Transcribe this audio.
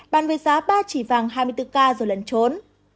bàn với giá ba chỉ vàng hai mươi bốn k rồi lẩn trốn